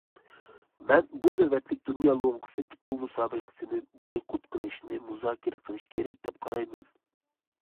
مەن بۇ نۆۋەتلىك دۇنيا لوڭقىسى پۇتبول مۇسابىقىسىنى بايقۇت قىلىشنى مۇزاكىرە قىلىش كېرەك، دەپ قارايمەن.